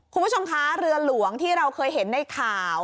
คุณผู้ชมคะเรือหลวงที่เราเคยเห็นในข่าว